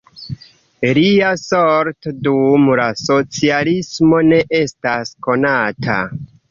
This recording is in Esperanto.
Lia sorto dum la socialismo ne estas konata.